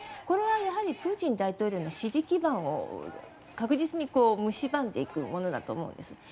これはやはりプーチン大統領の支持基盤を確実にむしばんでいくものだと思うんです。